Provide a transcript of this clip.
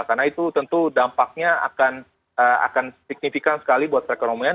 karena itu tentu dampaknya akan signifikan sekali buat perekonomian